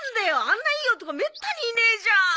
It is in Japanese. あんないい男めったにいねえじゃん！